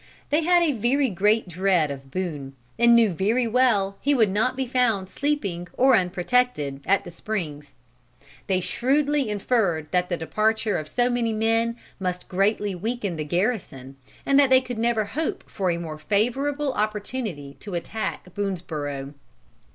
They had a very great dread of Boone, and knew very well he would not be found sleeping or unprotected, at the springs. They shrewdly inferred that the departure of so many men must greatly weaken the garrison, and that they could never hope for a more favorable opportunity to attack Boonesborough.